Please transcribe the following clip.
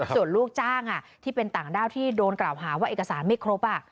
ส่วนลูกจ้างที่เป็นต่างด้าวที่โดนกล่าวหาว่าเอกสารไม่ครบ